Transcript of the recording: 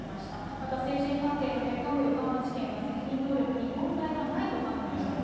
また精神鑑定の結果も、横浜地検は責任能力に問題はないと判断したと。